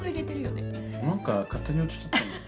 なんか勝手に移っちゃったんだよ。